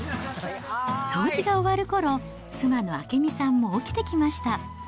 掃除が終わるころ、妻の明美さんも起きてきました。